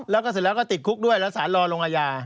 แล้วก็เสร็จแล้วก็ติดคุกด้วยแล้วสารรอลงอาญา